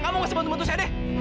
kamu kasih bantuan saya deh